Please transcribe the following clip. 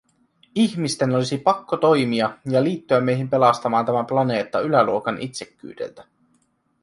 Ihmisten olisi pakko toimia ja liittyä meihin pelastamaan tämä planeetta yläluokan itsekkyydeltä.